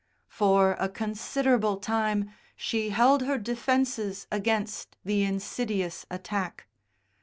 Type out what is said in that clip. For a considerable time she held her defences against the insidious attack.